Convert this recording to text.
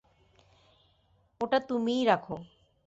ওটা তুমিই রাখো।